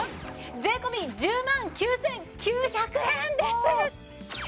税込１０万９９００円です！